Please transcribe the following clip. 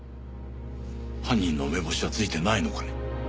犯人の目星はついてないのかね？